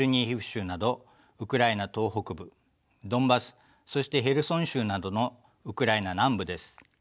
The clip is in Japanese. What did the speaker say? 州などウクライナ東北部ドンバスそしてヘルソン州などのウクライナ南部です。